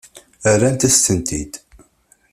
Rrant-as-tent-id.